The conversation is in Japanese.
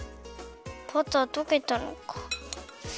バターとけたのか。